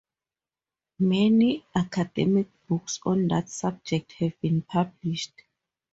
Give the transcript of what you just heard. Many academic books on that subject have been published.